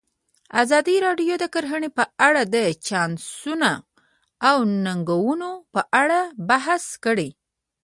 ازادي راډیو د کرهنه په اړه د چانسونو او ننګونو په اړه بحث کړی.